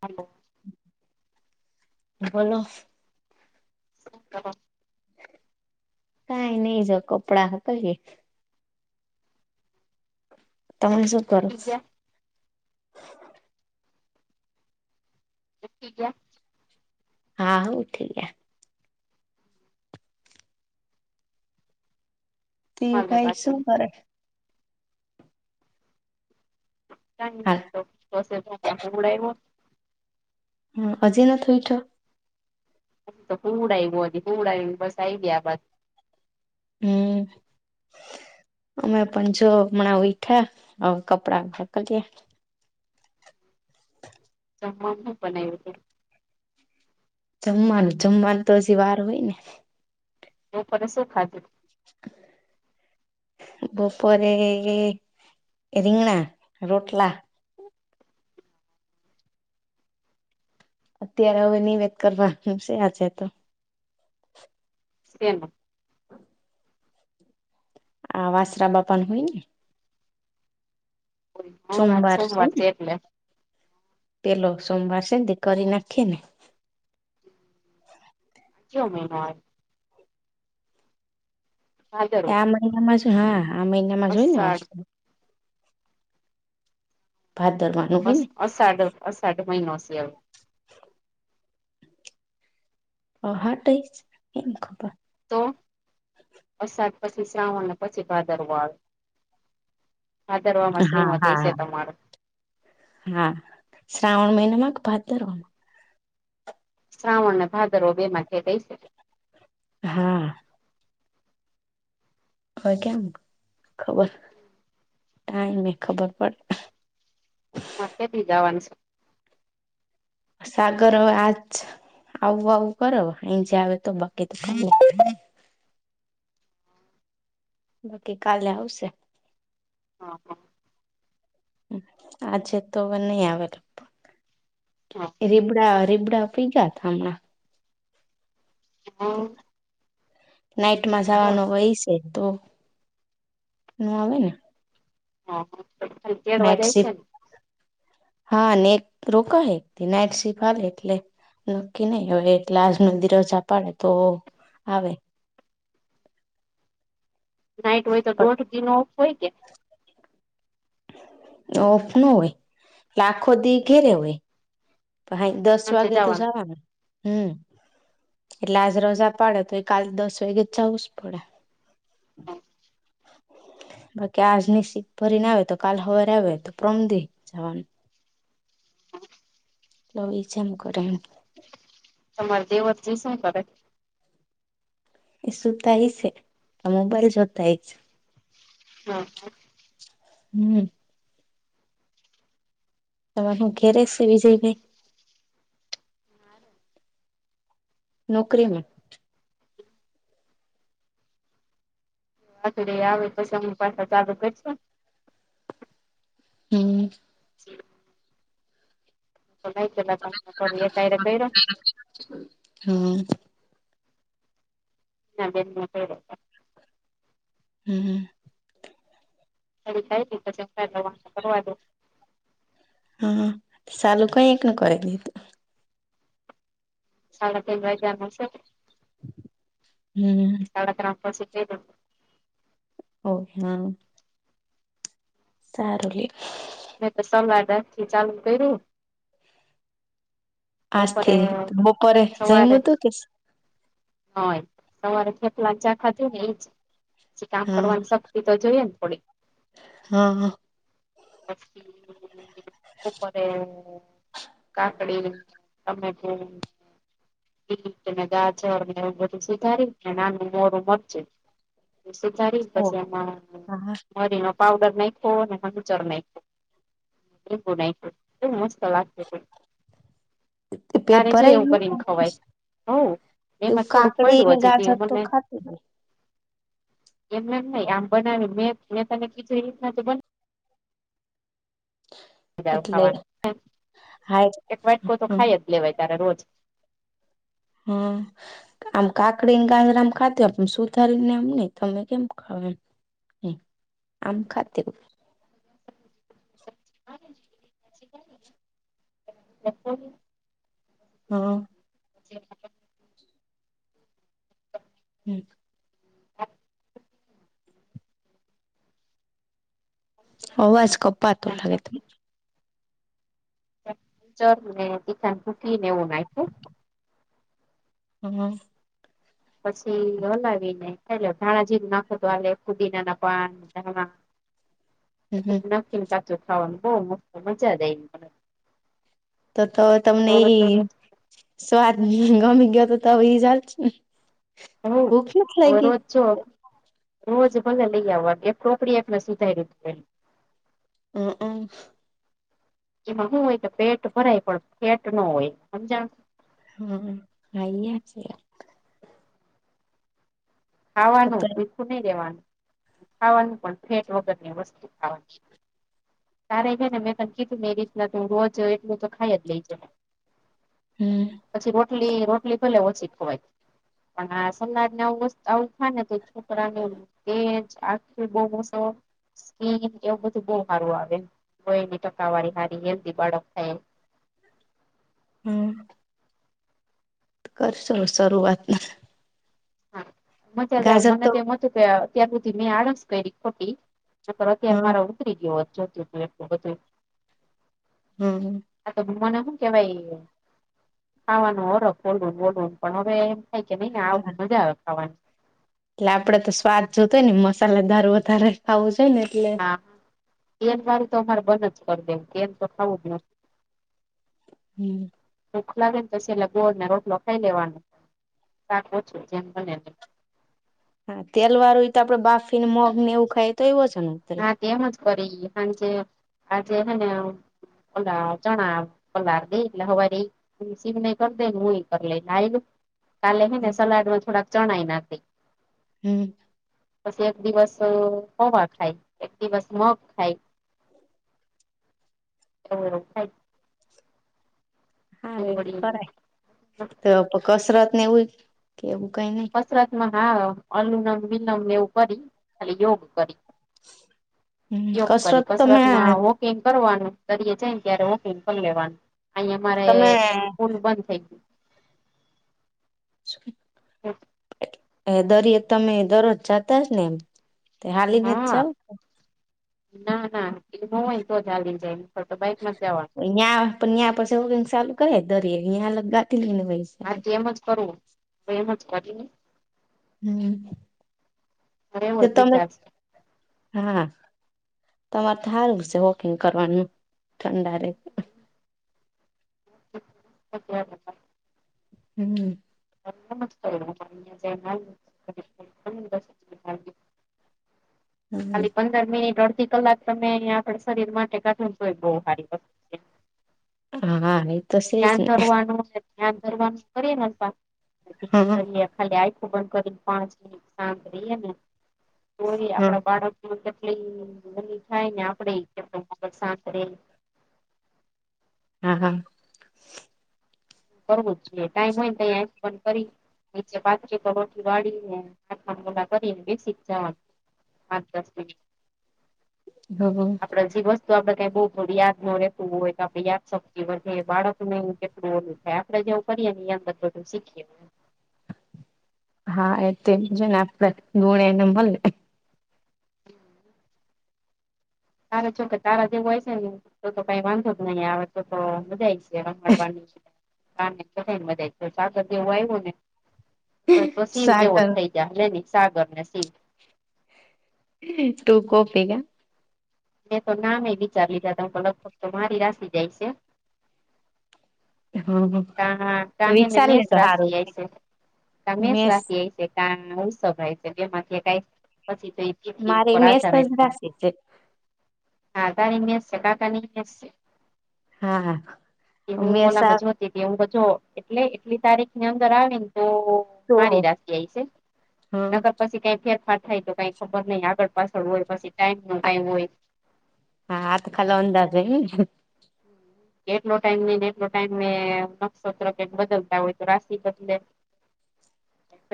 Hello hello. Hello. કઈ નહી. જો કપડા હુકઇએ. તમે શું કરો સુતી છો? ગયા [unintelligible] ગ્યા? હા હો ઊઠી ગયા. તે હું હાલે ભાઈ બાકી શું કરે? હા [unintelligible] છ સાત વાગે હુવડાવ્યો. હમ. હજી નથ ઉઠ્યો? તો હુવડાવ્યો, હુવડાઈને બસ આયવી આ બાજુ. હમ. અમે પણ જો હમણાં ઉઠ્યા, હવે કપડા આમ ધકેલીએ. જમવામાં હું બનાયુ છે? જમવાનું, જમવાનું તો હજી વાર હોય ને. એું પણને શું ખાધું બપરે એ રીંગણા રોટલા અત્યારે હવે નિવેદ કરવાનું છે આજે તો એમ [unintelligible] [inaudible] આ વાસરા બાપા ન હોય ને? હા હા, આજ સોમવાર છે એટલે. પેહલો સોમવાર છે ને તો કરી નાખીએને. કે મહિનોય ભાદરવો આ મહિનામાં જ હા આ મહિનામાં જો હોય ને વા અષાઢ ભારત દરમન અ અ સાઢ અસાઢ મહિનો છે એ હ હા ટ છે એમ ખબર તો પસાદ પછી શ્રાવણને પછી ભાદર વાળ હા શ્રીમત હા હશે હા તમારે હા શ્રાવણ મહિનામાં ભાતરવાનું શ્રાવણ ના ભાદરો બેમાંથી થઈ શ હા હવે કેમ ખબર કઈ નને ખબર પડે કે બી જાવાનું સાગર હવે આજ આવું આવું કર એ જ આવે તો બાકી તો બાકી કાલે આવશે હા હા હ આજે તોવ ન આવેલપ હ હ રીબડા રીબડા પી ગયા હમણાં હા નાઈટ માં જવાનો હોય છે તો એું આવે ને હા હ નાઈટ શિફ્ટ હા એક રોક એકથી નાઈટ શિફ્ટ આવેા એટલે નક્કી નહી હવે એટલા નંદિરજા પાડે તો આવે નાઈટ હોય તો દોઢધનો ઓફ હોય કે ઓફ નો હોય લાખો દી ઘેરે હોય દસ સાંજે વાગે તો જવાનું જવા [unintelligible] એટલે આજ રજા પાડે તો એ કાલે દસ વાગે જ જવું જ પડે [unintelligible] બાકી આજની સીટ ભરીને આવે તો કાલ સવારે આવે તો પ્રમ દે જવાનું લોભ છેમુકણ. તમાર દે વરતી સં કરે એ સુતાય છે આ મોબાઈલ જોતા હય છે હા હા હમ તમામે હ ઘેરે સ બ જઈ ભ નોકરીમાં આવે તોછ પાછા ચાલુ કરશ હમ ય ર કઈ હમ ના બે માટે. હમ હમ. એ થાયી [unintelligible] કરવા દો. હા સાલું કઈ એક ન કરે હતું. સાડા તર વાયાગા નુ છે. હમ્મ ત ત આપ શી. ઓકે હા. સારુંલી. મે તો સલા થી ચાલુ કર્યું. આજ બપોરે થી બપોરે જઈમ હતું કે. હ સવારે થેપલા ચાખા થું ને એ પછી કામ હા કરવાનું. તે તો જઈએ ને થોડી. હા હા. ઉપરે કાકડી. ટમેટું ગારજ ને એવું બધું સુધારીને નાનું મોરું મરજ. સુધારી ઓ પછી એમાં હા મરી નો પાવડર નાયખો ને ખચર નાખો. લીંબુ એવુ મસ્ત લાગતુતુ પેટ ભરાય એવું કરીને ગું. ખવાય હવ એમાં તેવું થોડુંક કાકડી ને પડ્યું ગાજર તો ખાતું ને. એમનેમ ન આમ બનાવ્યું મેં મે તને કીધું એ રીતના બને હ. બ ખાવાનું એક વાટકો તો હમ ખાઈ જ લેવાય તારે રોજ. હ. આમ કાકડીને ગાજર આમ ખાતી હોય સુધારીને એમ નહી તમે કેમ ખાવ એમ. હ આમ ખાતેર. [unintelligible] હ. [unintelligible] હમ. હ. અવાજ કપાતો લાગેત. ચર ને [unintelligible] ભૂકી નેવુ નાયકખુ [unintelligible] પછી હલાવીને. એ ધાણાજીરુ નાખો તો આ કુદીના ના પાન ધાણા. હમ કચું ખાવાનું બહ મસ્ મજા દે મ. તો તો તમને એ સ્વાદ ગમી ગયો તો ત હ એ ચાલ છે ને. હવ ભૂખ નથી હવે લાગી રોજ જો રોજ ભલે લઈ આવવા એક ટોકડી એકને સુધારી [unintelligible] એમાં શું હોય કે પેટ ભરાય પણ પેટ ન હોય સમજણ. હા અયે છે. ખાવાનું છે ભૂખું નહી દેવાનું ખાવાનું પણ ફેટ વગર વસ્તુ ખાવાની. તારે ને મેં ત કીધું મે એ રીતના તું રોજ એટલું તો ખાઈ જ લઈ જે ને. હમ પછી રોટલી રોટલી પેલા ઓછી ખવાય. પણ સનાજ ને બધૂ આવું થાય ને તો છોકરાને તેજ આખી બમસો. સ્કીન એવું બધું બહ સારું આવે ગયની ટકાવારી સારી હેલ્ધી બાળક થાય હમ્મ કરશો શરૂઆતમાં મજા જ મને તો એમ હતું કે અત્યાર સુધી મેં આળસ કરી ખોટી, નિતો અત્યારે હમ મારો કરી ગયો હતો [unintelligible] હમ્મ. આતો મને હું કેવાય, ખાવાનું હરખ બોલ બોલવ, પણ હવે કય કે નહી આવ હા મજા આવે ખાવાની એટલે આપડે તો સ્વાદ જોતો હોય ને મસાલાદાર વધારે ખાવું જોઈ ને એટલે હા એર વાળું તો અમારે બન જ કરી દેવું એમ તો ખાવું જ ન હમ્મ ભુખ લાગે ને તો છેલ્લે ગોળ ને રોટલો ખાઈ લેવાનો શાક ઓછું જેમ બને હા, તેલ વાળું તો આપડે બાફી ને મગ ને એવું ખાઈએ તોએ વજન ઉતરે. હા, તેમજ કરી હાંજે, હાંજે હું ઓલા ચણા પલાળ દઈ એટલે સવારે ઈ હું [unintelligible] ને કરી દે ને હું એ કરી લઈ [unintelligible] કાલે હે ને સલાડમાં થોડાક ચણાઈ નાખ દેઈ. હમ્મ. પસી એક દિવસ પૌવા ખાય. એક દિવસ મગ ખાય. એવું બધું ખાઈ. હારે વળી કરાય. તો કસરત ને એવુંય? કે એવું કાંઈ નહીં? કસરતમાં હા, અનુલોમ વિલોમ ને એવું કરી, ખાલી યોગ કરી. હમ યોગ કરી. તમે કસરત માં વોક વોકિંગ કરવાનું, [unintelligible] જઈન ત્યારે વોકિંગ કર લેવાનું. અહીંયાં મારે તમે પૂલ બંધ થઇ ગયું. [inaudible] હમ અઈયા દરિયે તમે દરરોજ જાતા જ ને તે હાલીને જ હા જાવ ના ના એ તો [unintelligible] હોય ને તો જ હાલી જાય [unintelligible] તો બાઈક માં જવાનું ન્યાં તો ન્યાં પસી [unintelligible] ચાલુ કરે દરીયે અં લગાતી લઈ ને ભાઈ હા તેમ જ કરવું તો એમ જ કરીને હમ મારે એવો એ જ તમે વિચાર છે હા તમારે તો હારું સે વોકિંગ કરવાનું ઠંડાં રે [unintelligible] હમ [inaudible] હમ ખાલી પંદર મિનિટ અડધી કલાક તમે અયા આપડે શરીર માટે કાઢો તોય બઉ હારી હા હા એ તો સેજ ધ્યાન ને દરવાનું ને ધ્યાન ધરવાનું કરીને [unintelligible] ધ્યાન હા હા દરીએ ખાલી આંયખુ બંધ કરીને પાંચ મિનિટ સાંત રહીએે ને તોય આપડા બાળક [unintelligible] થાય ને આપડેય [unintelligible] ક સાંત રે હાં હાં બરોબર છે ટાઈમ હોય ને તંય આંખ બંધ કરી નીચે પાથરી પલોઠુ વાળીને હાથમા ગલા કરીને બેસી જ જવાનું પાંચ દસ મિનિટ હમ આપડા [unintelligible] તો આપડે કઈ બઉ થોડી યાદ ન રહેતું હોય આપડી યાદ શક્તિ વધે બાળકને એવ કેટલું હો હ આપડે જેવું કરીએ ને એ અંદર બધું શીખી જાય હા એ તે છે ને આપડે ગુણે એને મલે હમ [unintelligible] તાર જો કે તારા જેવું હોય છે ને તો કઈ, વાંધો જ નહી આવે તો તો બધા. મળવાનું, ક ને બધ તોા દવું આવ્યું ને. પ [unintelligible] જેવો જ સાગર થઈ જયા લે ન સાગર ને શિવ ટું કોપી કે મેં તો નામે વિચાર લીધા ત લગભગ તો મારી રાસી જાય છે. હ હ. ક કાહેને મેષ રાશિ જાય છે, થી મે મેસ રાશિ ક ઉસવાય છે બે માંથી એક, પછી તો એ તિથી મારી ઉપર મેસ આધારે જ રાશિ છે હાધારી મેસશે કાકાની મેસ છે, હા એવું ઓલા મેષા મજ હ તો જો એટલે એટલી તારીખની અંદર આવી ને તો તો મારી રાખ આય છે, હા હા નગર પછી કઈ ફેરફાર થાય તો કઈક ખબર નહ આગળ પાછળ હોય પછી ટાઈમ ન કઈ હોય. હા આત કલાવંદદે કેટલો ટાઈમ નઈ ને એટલો ટાઈમ નક્ષત્ર કેક બદલતા હોય તો રાશિ બદલે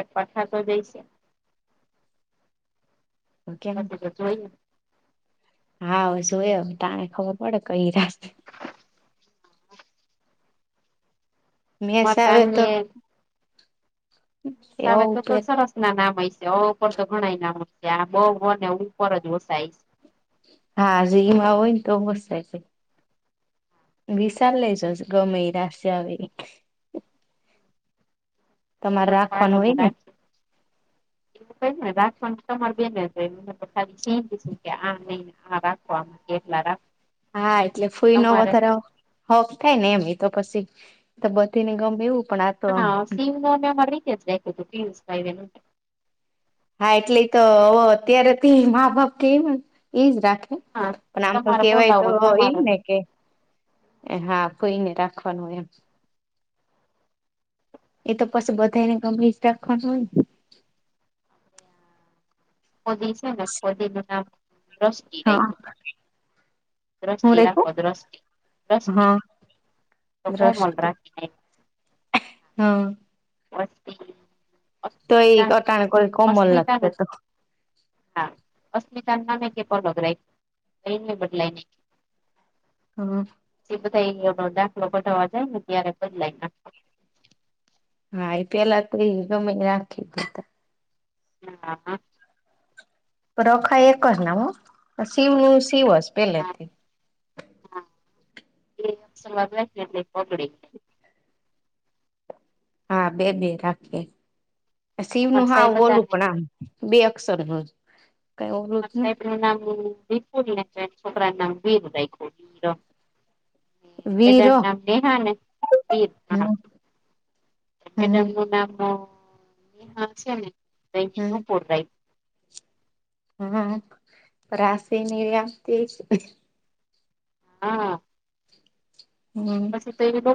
એક પઠાતો દઈશે ને કેમ પછી તો જોઈ હા અ શું અમ તને ખબર પડે કઈ રા મેસ અમાર આવે તો આમયે એવો તાવે ઉપર તલસા ના નામ મય છે, અ ઉપર તો ઘણા નામ છે, આ બ વ ને ઉપર જ વસાય છે. હા જે મા હોય તો [unintelligible] વિશાલ લેજ ગમે એ રાસયે આવે એ [inaudible] તમારે એવું રાખવાનું હોય ને કય ને [unintelligible] હા રાખવામ કેટલા રા હા એટલે ફુઈ નો વધાર હક થાય ને એમ એ તો પછી તો બધી ને ગમે એવું પણ આ તો આમ હા સિવ ન મેં મારી રીતે જ રાયખુતુ પિયુષભાઈ હા એટલે તો અત્યારે તે મા બાપ કેમ એજ રાખે હા પણ આમ તો તમારે કેવાય તો બોલાવો ને એ તમારે ને કે હા ફોઈને રાખવાનું એમ એ તો પછી બધાને ગમી જ રાખવાનું હોયને કોદી છે, ને કોદીનુ નામ દ્રષ્ટિ હા રાયખુ હું દ્રષ્ટિ રાખો રેખું દ્રષ્ટિ દ્રષ્ટિ હા [unintelligible] હ. [inaudible] તો એ કટાણ કોઈ કોમલ લાગશે અસ્મિતાનું તો હા અસ્મિતા નામે [unintelligible] એની બદલાઈ ની [unintelligible] હા. છે બધા દાખલો પલતાવા જાય ને ત્યારે બદલાઈ હા એ પેલા ત એ ગમે રાખી હા હા. રખાય એક જ નામ હ શીવ શીવ હા પેલેથી હા એ [unintelligible] હા બે બે રાખીએ અમાર શિવિવનું હા સાહેબ હતા ઓલું ને પણ આમ બે અક્ષર ન જ કઈ ઓલું જ ને સાહેબ ન નામુ [unintelligible] છોકરાન નામ વીર રાયખુ વીર ને વીર બેદ હ નામ નેહા ને વીર હા મેડમ હ નું નામ નેહા છે, ને નુપુર રાય હા રાશી ને એ આ તેજ હા. હમ સ [inaudible]